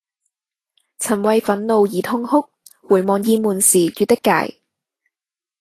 曾為憤怒而痛哭回望厭悶時越的界